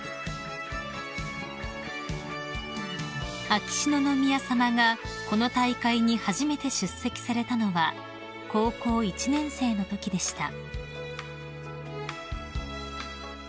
［秋篠宮さまがこの大会に初めて出席されたのは高校１年生のときでした］